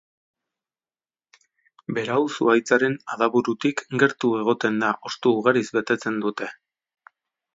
Berau zuhaitzaren adaburutik gertu egoten da hosto ugariz betetzen dute.